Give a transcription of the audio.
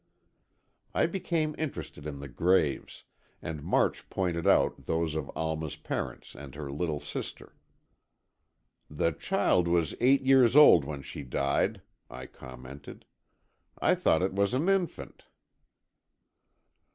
I became interested in the graves, and March pointed out those of Alma's parents and her little sister. "The child was eight years old when she died," I commented. "I thought it was an infant."